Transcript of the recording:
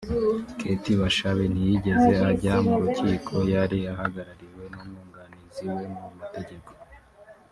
Kate Bashabe ntiyigeze ajya mu rukiko yari ahagarariwe n’umwunganizi we mu mategeko